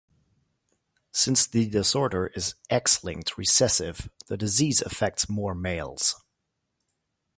Since the disorder is X-linked recessive the disease affects more males.